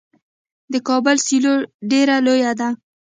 د کابل سیلو ډیره لویه ده.